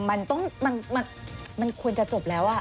มันต้องมันมันควรจะจบแล้วอะ